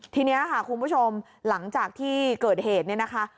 ทีนี้ค่ะคุณผู้ชมหลังจากที่เกิดเหตุเนี่ยนะคะ